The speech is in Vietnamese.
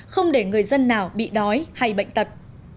không để người dân nào bị đói hay bệnh tật